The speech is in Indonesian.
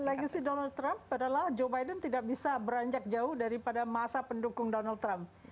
legacy donald trump adalah joe biden tidak bisa beranjak jauh daripada masa pendukung donald trump